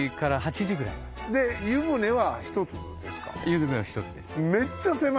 湯船は１つです。